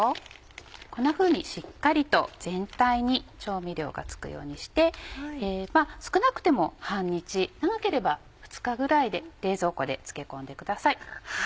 こんなふうにしっかりと全体に調味料が付くようにして少なくても半日長ければ２日ぐらいで冷蔵庫で漬け込んでください。